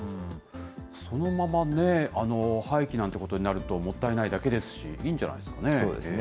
そのまま廃棄なんてことになるともったいないだけですし、いそうですね。